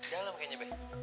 jalan lah pakenya